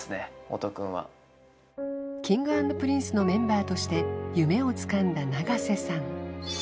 音くんはＫｉｎｇ＆Ｐｒｉｎｃｅのメンバーとして夢をつかんだ永瀬さん